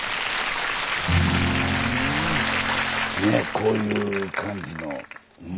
こういう感じの。